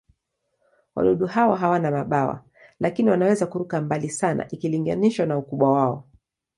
Wadudu hao hawana mabawa, lakini wanaweza kuruka mbali sana ikilinganishwa na ukubwa wao.